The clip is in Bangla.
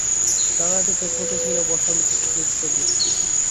ললাটে চক্ষুতে ছিল প্রশান্ত স্নিগ্ধ দীপ্তি।